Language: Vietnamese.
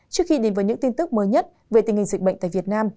trước khi đến với những tin tức mới nhất về tình hình dịch bệnh tại việt nam